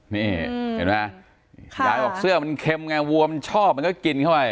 นี่เห็นไหมยายบอกเสื้อมันเค็มไงวัวมันชอบมันก็กินเข้าไป